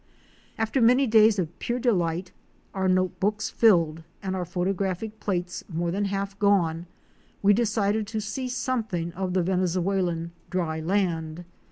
After many days of pure delight, our note books filled and our photographic plates more than half gone, we decided to see something of the Venezuelan dry land.